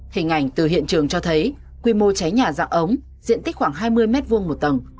hình ảnh từ hiện trường cho thấy quy mô cháy nhà dạng ống diện tích khoảng hai mươi m hai một tầng